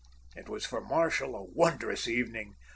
It was for Marshall a wondrous evening.